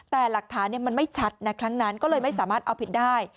แต่หลักฐานมันไม่ชัดนะครั้งนั้นก็เลยไม่สามารถเอาผิดได้